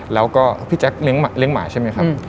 แล้วก็พี่แจ๊คเลี้ยงหมาใช่ไหมครับ